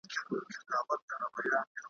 ملنګه ! د دریاب دوه غاړې چېرې دي یو شوي ,